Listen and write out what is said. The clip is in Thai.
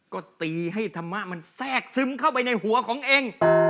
ก็ตีให้ธรรมะมันแทรกซึมเข้าไปในหัวของเอง